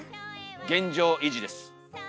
現状維持です。